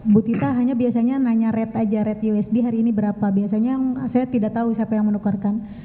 bu tita hanya biasanya nanya red aja red usd hari ini berapa biasanya saya tidak tahu siapa yang menukarkan